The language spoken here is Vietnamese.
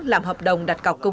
làm hợp đồng đặt cọc công chứng